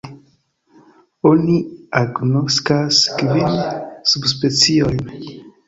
Oni agnoskas kvin subspeciojn.